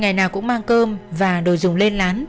người nhà cũng mang cơm và đồ dùng lên lán